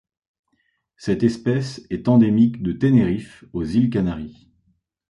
Cette espèce est endémique de Tenerife aux îles Canaries.